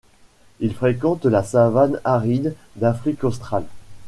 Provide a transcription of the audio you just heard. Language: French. Il fréquente la savane aride d'Afrique australe.